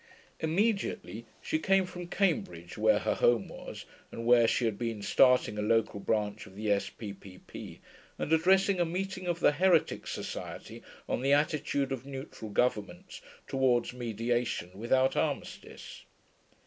Immediately, she came from Cambridge, where her home was, and where she had been starting a local branch of the S.P.P.P., and addressing a meeting of the Heretics Society on the Attitude of Neutral Governments towards Mediation without Armistice.